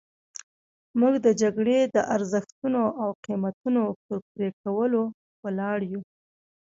موږ د جګړې د ارزښتونو او قیمتونو پر پرې کولو ولاړ یو.